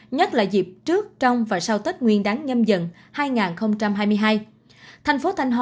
nhất là dịp trước trong và sau tết nguyên đáng nhâm dần hai nghìn hai mươi hai